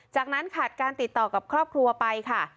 จากนั้นขาดการติดต่อกับครอบครัวไปค่ะ